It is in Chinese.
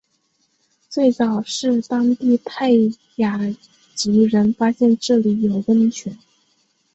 最早是当地泰雅族人发现这里有温泉。